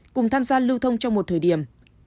cùng tham gia lưu thông trong một thời điểm